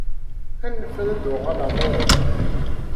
Anef ad d-uɣaleɣ ɣur-k.